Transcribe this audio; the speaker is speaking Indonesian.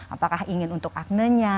apakah ingin untuk agnenya